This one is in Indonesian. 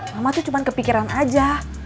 mama tuh cuma kepikiran aja